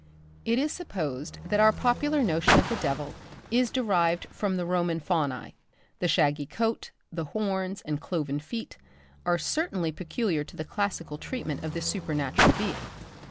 It is supposed that our popular notion of the devil is derived from the Roman fauni. The shaggy coat, the horns and cloven feet, are certainly peculiar to the classical treatment of this supernatural being.